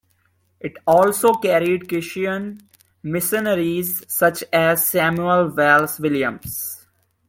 It also carried Christian missionaries such as Samuel Wells Williams.